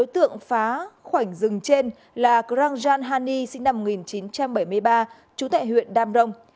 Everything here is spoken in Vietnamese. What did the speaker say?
tổng phá khoảnh rừng trên là grandjean hani sinh năm một nghìn chín trăm bảy mươi ba chú thệ huyện đam rông